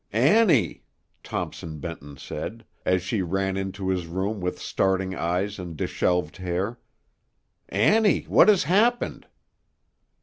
"Annie!" Thompson Benton said, as she ran into his room with starting eyes and dishevelled hair. "Annie, what has happened?"